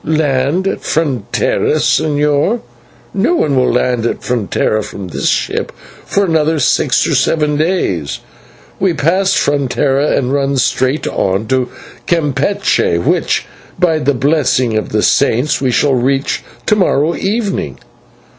"Land at Frontera, señor? No one will land at Frontera from this ship for another six or seven days. We pass Frontera and run straight on to Campeche, which, by the blessing of the Saints, we shall reach to morrow evening."